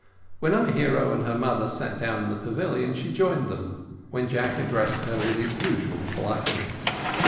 When our hero and her mother sat down in the pavilion she joined them, when Jack addressed her with his usual politeness.